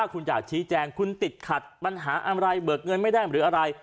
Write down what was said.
คุณอยากชี้แจงคุณติดขัดปัญหาอะไรเบิกเงินไม่ได้หรืออะไร